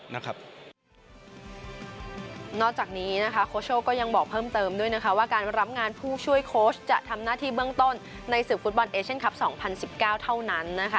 นอกจากนี้นะคะโค้ชโชคก็ยังบอกเพิ่มเติมด้วยนะคะว่าการรับงานผู้ช่วยโค้ชจะทำหน้าที่เบื้องต้นในศึกฟุตบอลเอเชียนคลับ๒๐๑๙เท่านั้นนะคะ